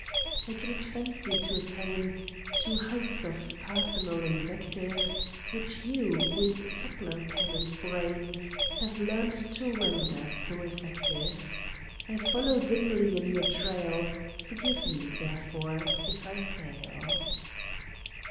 I cannot fancy to attain To heights of personal invective Which you, with subtler pen and brain, Have learnt to render so effective; I follow dimly in your trail; Forgive me, therefore, if I fail!